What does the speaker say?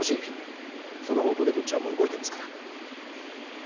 その方向でこっちはもう動いてますから。